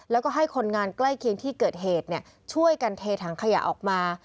แล้วก็ให้คนงานใกล้เคียงที่เกิดเหตุช่วยกันเทถังขยะออกมา